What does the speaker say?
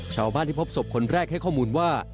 ชาวบ้านที่พบศพคนแรกให้ข้อมูลว่า